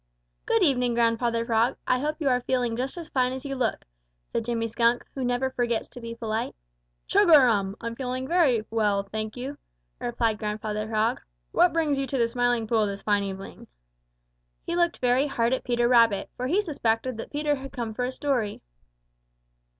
"Good evening, Grandfather Frog. I hope you are feeling just as fine as you look," said Jimmy Skunk, who never forgets to be polite. "Chug a rum! I'm feeling very well, thank you," replied Grandfather Frog. "What brings you to the Smiling Pool this fine evening?" He looked very hard at Peter Rabbit, for he suspected that Peter had come for a story.